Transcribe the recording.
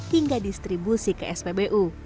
hingga distribusi ke spbu